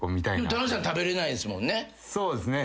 棚橋さん食べれないんすもんね。